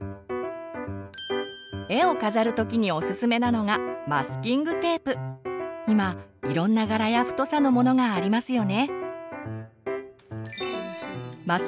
絵を飾る時におすすめなのが今いろんな柄や太さのものがありますよね。